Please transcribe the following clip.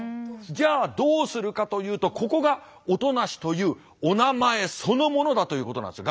じゃあどうするかというとここが音無というおなまえそのものだということなんですよ